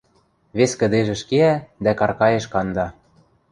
Вес кӹдежӹш кеӓ дӓ каркаэш канда.